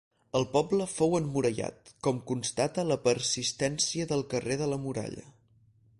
El poble fou emmurallat, com constata la persistència del carrer de la Muralla.